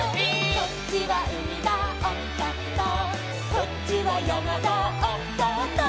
「こっちはうみだおっとっと」「こっちはやまだおっとっと」